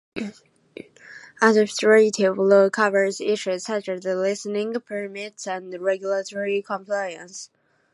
Administrative law covers issues such as licensing, permits, and regulatory compliance.